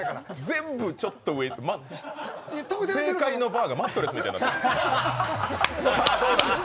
全部ちょっと上正解のバーがマットレスみたいになってる。